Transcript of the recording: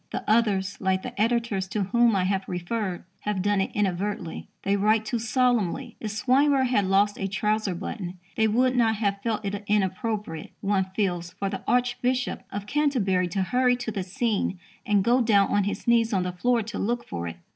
The others, like the editors to whom I have referred, have done it inadvertently. They write too solemnly. If Swinburne had lost a trouser button, they would not have felt it inappropriate, one feels, for the Archbishop of Canterbury to hurry to the scene and go down on his knees on the floor to look for it....